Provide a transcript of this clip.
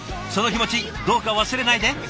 その気持ちどうか忘れないで。